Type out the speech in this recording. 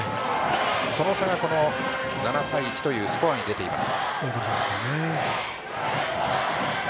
その差が７対１というスコアに出ています。